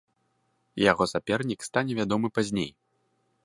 Яго сапернік стане вядомы пазней.